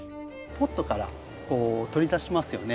ポットからこう取り出しますよね。